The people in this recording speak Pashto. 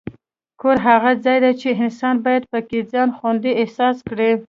کور هغه ځای دی چې انسان باید پکې ځان خوندي احساس کړي.